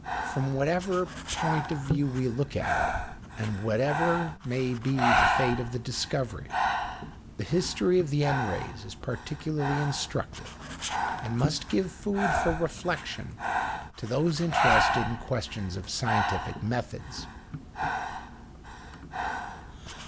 From whatever point of view we look at it, and whatever may be the fate of the discovery, the history of the N rays is particularly instructive, and must give food for reflection to those interested in questions of scientific methods.